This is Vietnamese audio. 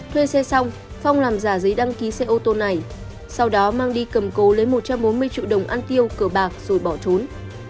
thuê xe xong phong làm giả giấy đăng ký xe ô tô này sau đó mang đi cầm cố lấy một trăm bốn mươi triệu đồng ăn tiêu cờ bạc rồi bỏ trốn